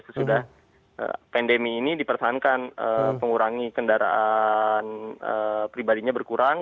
sesudah pandemi ini dipertahankan mengurangi kendaraan pribadinya berkurang